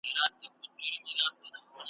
په خپله خر نه لري د بل پر آس خاندي ,